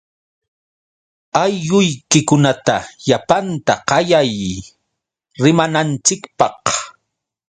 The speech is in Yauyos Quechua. Aylluykikunata llapanta qayay rimananchikpaq.